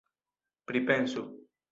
Pripensu!